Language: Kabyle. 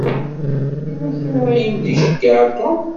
Yella kra i m-d-iceyyeɛ Tom.